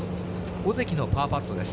尾関のパーパットです。